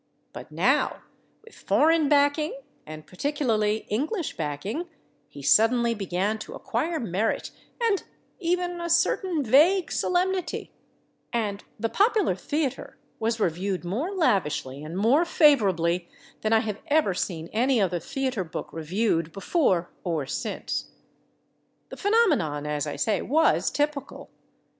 But now, with foreign backing, and particularly English backing, he suddenly began to acquire merit and even a certain vague solemnity—and "The Popular Theater" was reviewed more lavishly and more favorably than I have ever seen any other theater book reviewed, before or since. The phenomenon, as I say, was typical.